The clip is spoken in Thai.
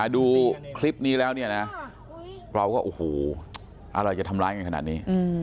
ดูคลิปนี้แล้วเนี่ยนะเราก็โอ้โหอะไรจะทำร้ายกันขนาดนี้